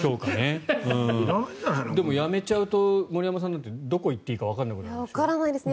でも、やめちゃうと森山さんなんかはどこに行っていいかわからなくなるでしょ？